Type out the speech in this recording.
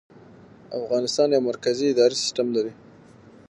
افغانستان یو مرکزي اداري سیستم لري